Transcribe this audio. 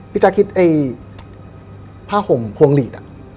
พี่จ๊ะคิดไอผ้าห่มพวงหลีด